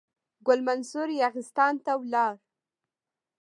ګل منصور یاغستان ته ولاړ.